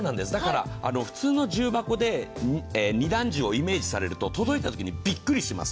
普通の重箱で２段重をイメージされると届いたときにびっくりされます。